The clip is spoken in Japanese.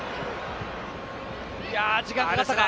時間かかったか。